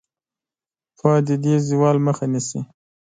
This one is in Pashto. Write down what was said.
پوهه د دې زوال مخه نیسي.